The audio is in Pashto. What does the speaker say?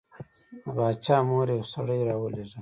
د باچا مور یو سړی راولېږه.